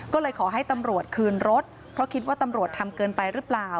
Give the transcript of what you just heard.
ก็เลยขอให้ตำรวจคืนรถเพราะคิดว่าตำรวจทำเกินไปหรือเปล่า